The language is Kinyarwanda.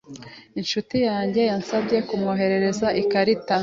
Inshuti yanjye yansabye kumwoherereza ikarita.